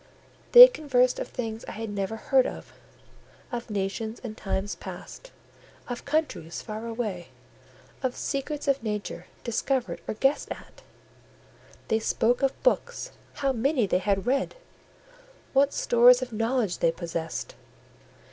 They conversed of things I had never heard of; of nations and times past; of countries far away; of secrets of nature discovered or guessed at: they spoke of books: how many they had read! What stores of knowledge they possessed!